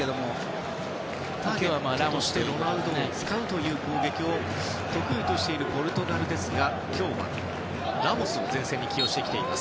ロナウドを使う攻撃を得意としているポルトガルですが今日はラモスを前線に起用しています。